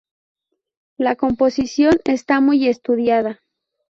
La composición está muy estudiada.